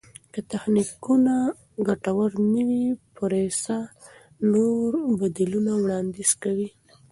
که تخنیکونه ګټور نه وي، پریسا نور بدیلونه وړاندیز کوي.